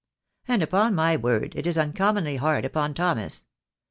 And upon my word it is uncommonly hard upon Thomas.